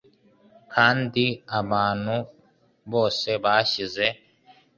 kandi abantu bose bashyize